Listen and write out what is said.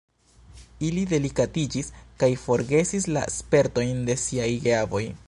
Ili delikatiĝis kaj forgesis la spertojn de siaj geavoj.